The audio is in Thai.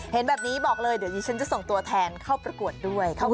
เห็นแบบนี้บอกเลยเดี๋ยวนี้ฉันจะส่งตัวแทนเข้าประกวดด้วย